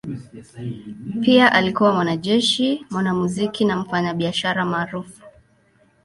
Pia alikuwa mwanajeshi, mwanamuziki na mfanyabiashara maarufu.